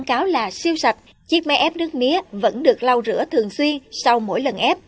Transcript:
cáo là siêu sạch chiếc máy ép nước mía vẫn được lau rửa thường xuyên sau mỗi lần ép